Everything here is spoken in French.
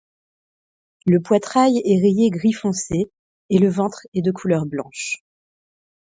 Le poitrail est rayé gris foncé et le ventre est de couleur blanche.